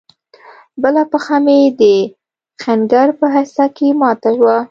بله پښه مې د ښنگر په حصه کښې ماته وه.